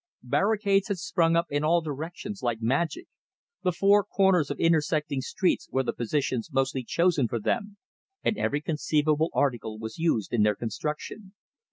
Barricades had sprung up in all directions like magic. The four corners of intersecting streets were the positions mostly chosen for them, and every conceivable article was used in their construction.